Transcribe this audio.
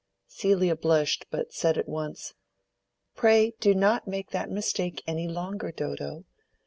Celia blushed, but said at once— "Pray do not make that mistake any longer, Dodo.